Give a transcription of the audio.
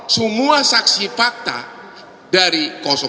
semua saksi fakta dari